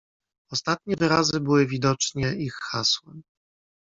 "Ostatnie wyrazy były widocznie ich hasłem."